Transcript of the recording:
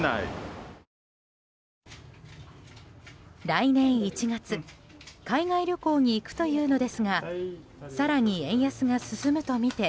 来年１月海外旅行に行くというのですが更に円安が進むとみて